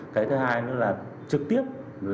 cái thứ hai là trực tiếp